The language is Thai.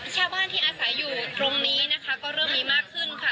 ชาวบ้านที่อาศัยอยู่ตรงนี้นะคะก็เริ่มมีมากขึ้นค่ะ